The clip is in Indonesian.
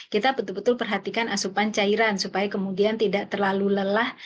kita betul betul perhatikan asupan cairan supaya kemudian tidak terlalu lelah